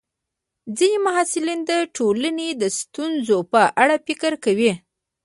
ځینې محصلین د ټولنې د ستونزو په اړه فکر کوي.